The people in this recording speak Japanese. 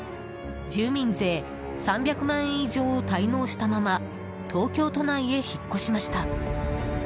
住民税３００万円以上を滞納したまま東京都内へ引っ越しました。